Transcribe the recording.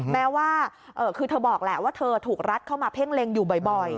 แม้ว่าคือเธอบอกแหละว่าเธอถูกรัดเข้ามาเพ่งเล็งอยู่บ่อย